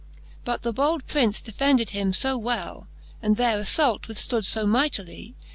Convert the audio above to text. But the bold Prince defended him fo well. And their aflault withftood fo mightily.